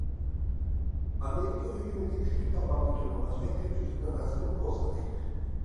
ئامېرىكا ھۆكۈمىتى كۈچلۈك تاقابىل تۇرمىغاچقا، كۆپچىلىكنىڭ غەزىپىنى قوزغىدى.